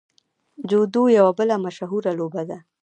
جودو یوه بله مشهوره لوبه ده.